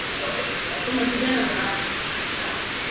maneno ya mkataba hayafai kutumika kwa ajiri ya utafiti